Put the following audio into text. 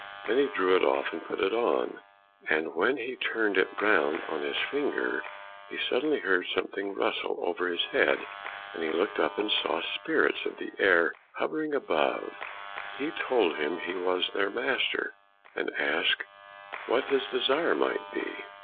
Then he drew it off and put it on, and when he turned it round on his finger, he suddenly heard something rustle over his head. He looked up and saw spirits of the air hovering above, who told him he was their master, and asked what his desire might be?